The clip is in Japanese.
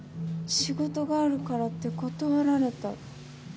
仕事があるからって断られた。